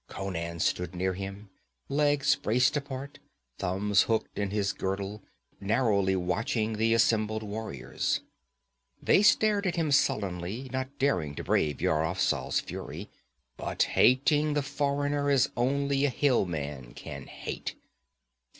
Conan stood near him, legs braced apart, thumbs hooked in his girdle, narrowly watching the assembled warriors. They stared at him sullenly, not daring to brave Yar Afzal's fury, but hating the foreigner as only a hillman can hate.